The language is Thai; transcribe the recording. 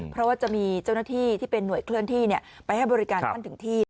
เพราะว่าจะมีเจ้าหน้าที่ที่เป็นหน่วยเคลื่อนที่ไปให้บริการท่านถึงที่